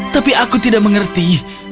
tapi aku tidak mengerti